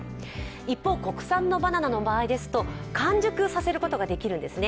一方国産のバナナの場合ですと完熟させることができるんですね。